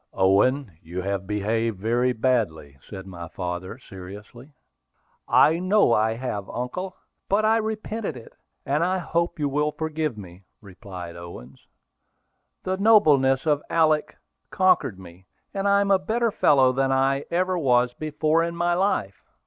"Owen, you have behaved very badly," said my father seriously. "I know I have, uncle; but I have repented it, and I hope you will forgive me," replied Owen. "The nobleness of Alick conquered me, and I am a better fellow than I ever was before in my life."